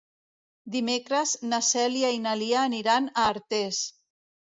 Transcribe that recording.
Dimecres na Cèlia i na Lia aniran a Artés.